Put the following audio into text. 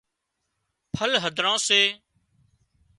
ڦل هڌران سي